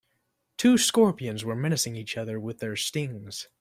Two scorpions were menacing each other with their stings.